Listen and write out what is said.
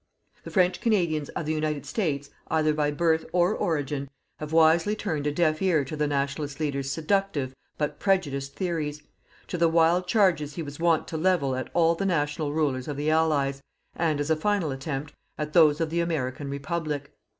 The French Canadians of the United States, either by birth or origin, have wisely turned a deaf ear to the Nationalist leader's seductive but prejudiced theories, to the wild charges he was wont to level at all the national rulers of the Allies, and, as a final attempt, at those of the American Republic.